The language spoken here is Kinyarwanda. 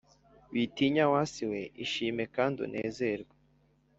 Witinya, wa si we, ishime kandi unezerwe,